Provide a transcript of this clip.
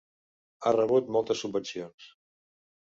Ha rebut moltes subvencions.